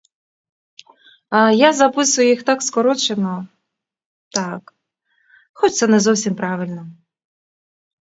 Я записую їх так скорочено, хоч це не зовсім правильно.